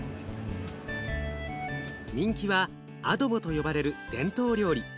人気はアドボと呼ばれる伝統料理。